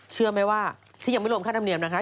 เชื่อไหมว่าที่ยังไม่รวมค่าธรรมเนียมนะคะ